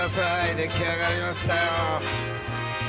出来上がりましたよ。